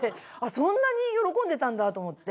そんなに喜んでたんだ！と思って。